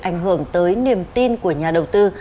ảnh hưởng tới niềm tin của nhà đầu tư